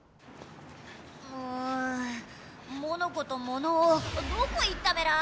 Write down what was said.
うんモノコとモノオどこ行ったメラ？